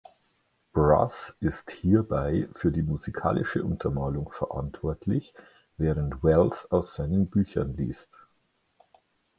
Brass ist hierbei für die musikalische Untermalung verantwortlich während Wells aus seinen Büchern liest.